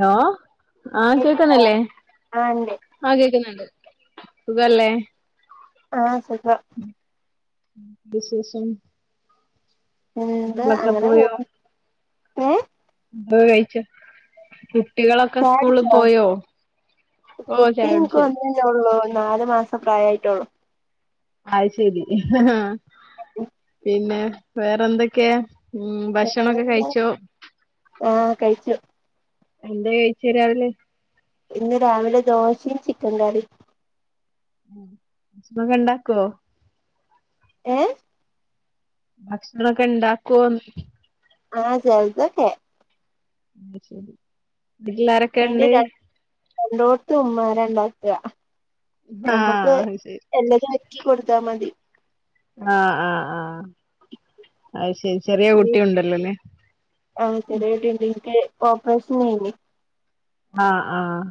Law, ആഹ് കേക്ക്ണ്ട് കേക്ക്ന്നില്ലേ? ആഹ് ഇണ്ട് ആഹ് കേക്ക്ന്ന്ണ്ട്. സുഖല്ലേ? ആഹ്, സുഖം. [unintelligible] വിശേഷം. എന്താ മക്കളൊക്കെ അങ്ങനെ പോയോ? പോണ് [unintelligible] ഏഹ് ഴിച്ച ട്ടികളൊക്കെ സ്കൂൾള് ചായുടിച്ചോ പോയോ? ഓഹ് ചായുട്ച്ച്. [unintelligible] ള്ളൂ നാല് മാസ പ്രായായ്ട്ടൊള്ളൂ. അയ്ശെരി. ആഹ് പിന്നേ വേറെന്തൊക്കെയാ ഉം ഭഷണൊക്കെ കയിച്ചോ? ആഹ്, കയിച്ചു. എന്തേ കയിച്ചീ രാവിലെ? ഇന്ന് രാവിലെ ദോശിം ചിക്കങ്കറിം ഉം. [unintelligible] ഷണൊക്കെ ണ്ടാക്കോ? ഏഹ്. ഭക്ഷണൊക്കെണ്ടാക്കോന്ന്? ആഹ്, ചെൽതൊക്കെ അയ്‌ശെരി. വീട്ടിലാരൊ അയ്ന് രണ്ട് രണ്ടോട്ത്തുമ്മാരാണ്ടാക്കാ ഞമ്മക്ക് ആഹ് അത് ശരി എല്ലതൊര്ക്കി കൊട്ത്താ മതി. ആഹ്, ആഹ്, ആഹ് അയ്ശെരി. ചെറ്യേ ഈ കുട്ട്യൂണ്ടല്ലോല്ലേ ആഹ്, ചെറ്യേട്ടിണ്ട്. ൻക്ക് ഓപ്പറേഷനേനി. ആഹ്, ആഹ്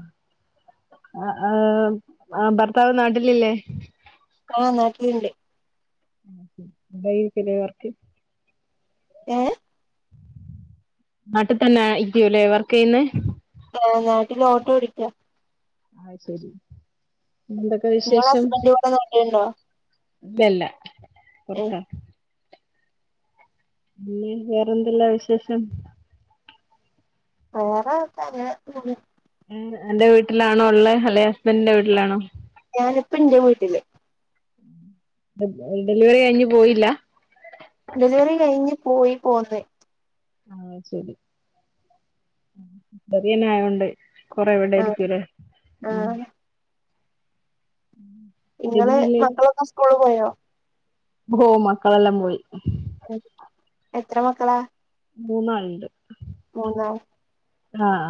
ആ ആ ആ ഭർത്താവ് നാട്ടിലില്ലേ? ആഹ് നാട്ടില്ണ്ട്. എന്തായിരിക്കെലെ വർക്ക്. ഏഹ്. നാട്ടിതന്നെ ആയിരിക്ക്യുലേ വർക്കെയ്യുന്നെ. ആഹ് നാട്ടിലോട്ടോ ഓടിക്ക. ആഹ് ശെരി. എന്ത ങ്ങളസ്ബൻ്റ് വടെ നാട്ടില്ണ്ടോ? ല്ല്യല്ലാ ഏഹ് പൊർത്താ. പിന്നെ, വേറെന്തല്ലാ വിശേഷം. വേറെ ത്താങ്ങനെ ങ്ങ് അന്റെ വീട്ട്ലാണോ ള്ളെ അല്ലേ ഹസ്ബൻ്റ്ന്റെ വീട്ട്ലാണോ? ഞാന്പ്പന്റെ വീട്ട്ല്. [unintelligible] ഡെലിവെറി കയിഞ്ഞ്പോയില്ലാ. ഡെലിവറി കയിഞ്ഞ് പോയി പോന്ന്. ആഹ്, ശെരി. ഉം റിയന്നായോണ്ട്. ആഹ് കൊറെവടായ്രിക്കൂലേ. ഉം ആഹ് ഉം ഇങ്ങള് മക്കളൊക്കെ സ്കൂൾള് പോയോ? ഹോഹ് മക്കളെല്ലം പോയി. എത്ര മക്കളാ മൂന്നാൾണ്ട് മൂന്നാം ആഹ്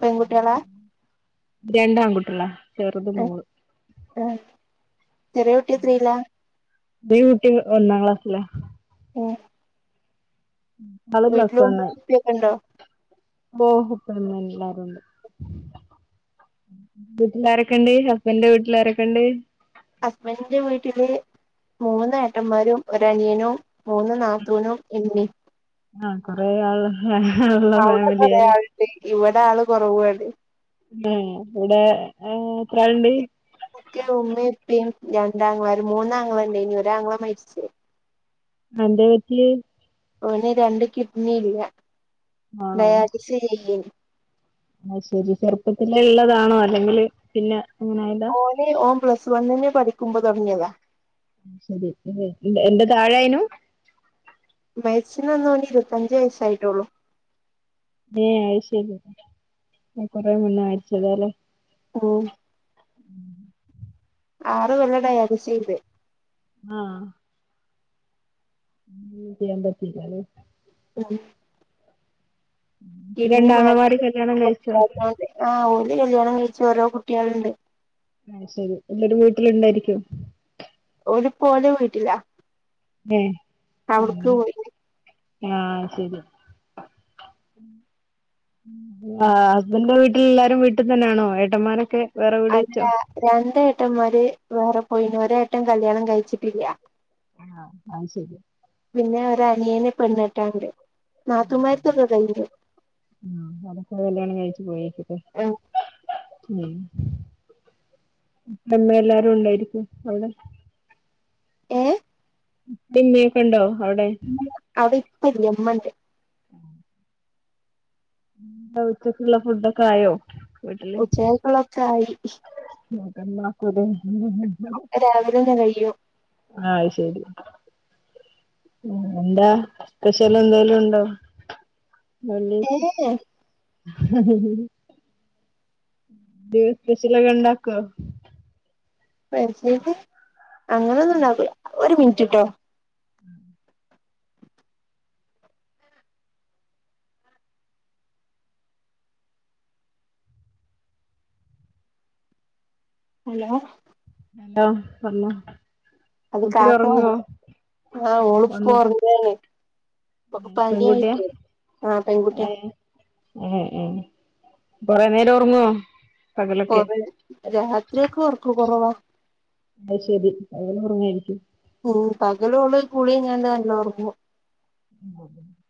പെങ്കുട്യോളാ രണ്ടാൻകുട്ട്യോളാ ചെറുത് മോള് ഉം ചെറിയൂട്ടിയെത്രീല്ല ചെറിയുട്ടി ഒന്നാം ക്ലാസ്സിലാ ഉം ആള് പ്ലസ് വീട്ടില് വൺ ഉമ്മേം ഉപ്പയൊക്കെ ഇണ്ടോ ഓഹ് ഇപ്പന്ന എല്ലാരുണ്ട് വീട്ടില് ആരൊക്കെണ്ട് ഹസ്ബൻന്റെ വീട്ടില് ആരൊക്കെണ്ട് അസ്ബൻ്റിൻ്റെ വീട്ടില് മൂന്നേട്ടന്മാരും ഒരനിയനും മൂന്ന് നാത്തൂനും ന്ടി ആഹ് കൊറെ ആൾ ഒള്ള അവിടെ കൊറേ ഫാമിലിയാല്ലേ ആളുണ്ട് ഇവിടെ ആള് കൊറവാണ് ഉം ഇവിടെ എത്രാള്ണ്ട് എനക്ക് ഉമ്മയും ഉപ്പിയും രണ്ടാംഗ്ളമാരും മൂന്നാംഗ്ള ഉണ്ട് ഇനി ഒരാംഗ്ള മരിച്ചോയി [unintelligible] അന്തേ പറ്റി ഓന് രണ്ട് കിഡ്നി ഇല്ല ഡയാലിസിസ് ചെയ്യന് ങാ ശരി ചെറുപ്പത്തിലേ ഉള്ളതാണോ അല്ലെങ്കിൽ പിന്നെ അങ്ങനെ ആയതാ ഓന് ഓൻ പ്ലസ് വണ്ണിന് പഠിക്കുമ്പോ തുടങ്ങിയതാ ശരി എന്റെ താഴെആയിനോ വയസ്സിനെന്നാണെങ്കി ഇരുപത്തഞ്ച് വയസ്സായിട്ടുള്ളൂ ഏ അഴ്ശരി കൊറെ മുന്ന അയച്ചതാല്ലേ ഓ ആറ് കൊല്ലം ടയാലിസെയ്ത് ആഹ് ഉം ഒന്നും ചെയ്യാൻ പറ്റില്ലാലോ ഒന്നും കിഡ്നി രണ്ടാങ്ങളമാര് കല്യാണം കഴിച്ചോ മാറ്റിയോര് കല്യാണം കഴിച്ച് ഓരോ കുട്ട്യാൾണ്ട് അയ്ശരി എല്ലരും വീട്ടിലിണ്ടായിരിക്കും ഓല്പ്പോ ഓലെ വീട്ടിലാ ഏഹ് അവിടുക്ക് ഉം പോയിന് ഉ ആഹ് ശരി ആഹ് ഹസ്ബൻഡന്റെ വീട്ടിൽ എല്ലാരും വീട്ടിൽ തന്നാണോ ഏട്ടന്മാനൊക്കെ അല്ല രണ്ട് ഏട്ടന്മാര് വേറെ പോയിന് ഒരേട്ടൻ കല്യാണം കഴിച്ചിട്ടില്ല ആഹ് അത് ശരി പിന്നെ ഒരു അനിയേന് പെണ്ണെട്ടാണ്ട് നാത്തൂമാര്തൊക്കെ കഴിഞ്ഞു ആഹ് അതൊക്കെ കല്യാണം കഴിച്ചു പോയിക്കിട്ടെ ആഹ് ഉം അമ്മ എല്ലാരും ഉണ്ടായിരിക്കും അവിടെ ഏഹ് ഇപ്പെ മ്മേക്കെ ഉണ്ടോ അവടെ അവടെ ഇപ്പല്ല മ്മണ്ട് ഉ ഉച്ചയ്ക്കുള്ള ഫുഡ് ഒക്കെ ആയോ ഉച്ചക്കൊള്ളൊക്കായി മക്കമാക്ക [unintelligible] രാവിലെ തന്നെ കയ്യും ആഹയ്ശരി എന്താ സ്പെശല് എന്തേലും ഉണ്ടോ ഏഹ് [unintelligible] [unintelligible] സ്പഷ്യലൊക്കെ ഉണ്ടക്കോ സ്പെശ്യല് അങ്ങനെ ഒന്നുംണ്ടാക്കൂല ഒരു മിനിറ്റിട്ടോ ഉം ഹലോ ഹലോ പറഞ്ഞോ അത് കുട്ടി കാക്ക ഉറങ്ങോ വാങ്ങി ആഹ് ഒള്പ്പോ വന്നു ഒറ ഓക്ക് പെൺകുട്ടിയാ പന്യായിട്ടേ ആഹ് പെൺകുട്ട്യാ ഏഹ് ഏഹ് കൊറേ നേരോറ്ങ്ങോ കൊറേ രാത്രിയോക്കെ ഓറക്ക് കൊറവാ അത് ശെരി പകല് ഒറങ്ങായിരിക്കും ഉം പകലോള് കുളിഴ്ഞ്ഞാണ്ട് നല്ലോം ഒറങ്ങും [inaudible]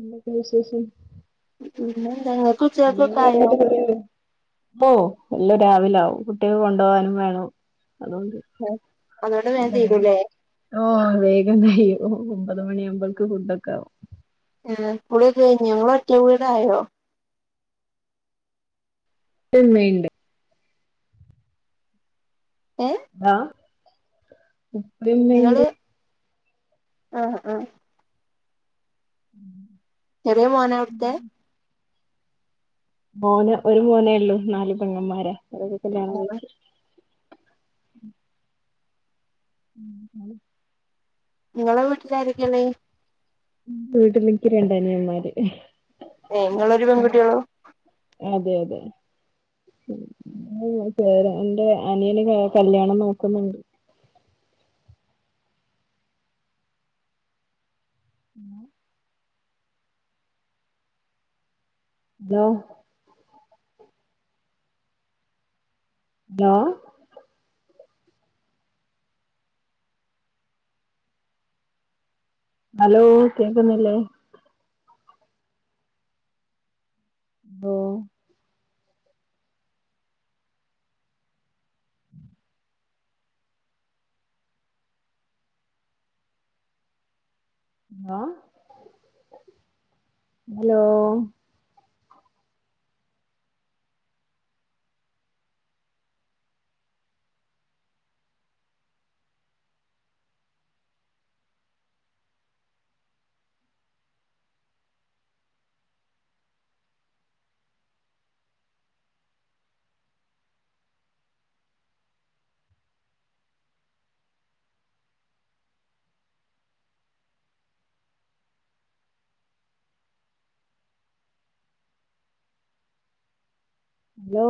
പിന്നെത്താ വിശേഷം പിന്നെന്താ കല്യാണം ഉച്ചക്കൊക്കെ ആയോ കഴിഞ്ഞിട്ട് കൊറേ ആയോ ഓഹ് എല്ലും രാവിലാവും കുട്ട്യേക്ക്‌ കൊണ്ടോവാനും വേണം അതോണ്ട് ആഹ് അതോണ്ട് വേം തീരൂല്ലേ ഓഹ് വേഗം കയ്യും ഒമ്പത് മണിയാവുമ്പോക്ക് ഫുഡോക്കാവും ഏഹ് കുളിയൊക്കെ കഴിഞ്ഞോ ഇങ്ങള് ഒറ്റ വീടായോ ഇപ്പിം ഇമ്മിണ്ട് ഏഹ് ആഹ് ഇങ്ങള് ആഹ് ആഹ് ഉം ചെററ്യേ മോനാ അവ്ട്ത്തെ മോന് ഒരു മോനേള്ളൂ നാല് പെങ്ങന്മാര അവരൊക്കെ കല്യാണം ആ കഴിച്ചു ഉം [unintelligible] ഇങ്ങളെ വീട്ടിലാരെക്കെള്ളേ വീട്ടിലിന്ക്ക്‌ രണ്ടനിയമ്മാര് ഏഹ് ഇങ്ങളൊരു പെൺകുട്ട്യോള്ളൂ അതെയതെ ഉം [unintelligible] എന്റെ അനിയന് കല്യാണം നോക്കുന്നുണ്ട് ഹലോ ഹലോ ഹലോ ഹലോ കേക്കുന്നില്ലേ ലോ അലോ ഹലോ ഹലോ